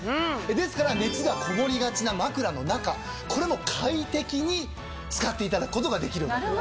ですから熱がこもりがちな枕の中これも快適に使っていただくことができるんです。